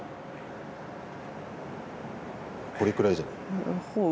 これくらいじゃない？